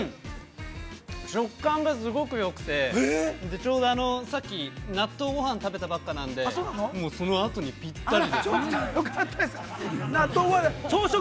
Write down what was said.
◆食感がすごくよくて、ちょうどさっき納豆ごはん食べたばかりなんで、そのあとに、ぴったり。